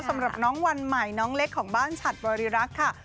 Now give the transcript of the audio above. สำหรับน้องวันใหม่น้องเล็กของบ้านฉัดบริรักษ์ค่ะ